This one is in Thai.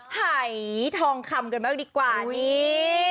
ไห่ทองคำเกินมากดีกว่านี่